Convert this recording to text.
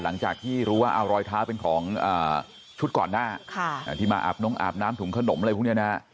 หลังจากที่รู้ว่าเอารอยเท้าเป็นของชุดก่อนหน้าที่มาอาบนงอาบน้ำถุงขนมอะไรพวกนี้นะฮะ